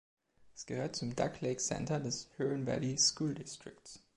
Es gehört zum Duck Lake Center des Huron Valley School Districts.